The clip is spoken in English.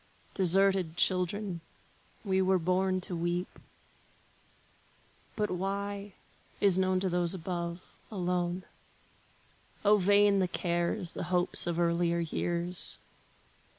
Deserted children, we were born to weep; But why, is known to those above, alone. O vain the cares, the hopes of earlier years!